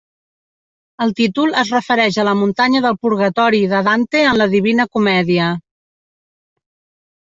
El títol es refereix a la muntanya del Purgatori de Dante en La Divina Comèdia.